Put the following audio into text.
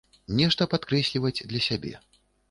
Нешта падкрэсліваць для сябе.